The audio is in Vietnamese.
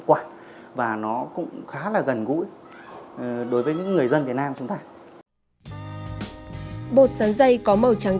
quả và nó cũng khá là gần gũi đối với những người dân việt nam chúng ta bột sắn dây có màu trắng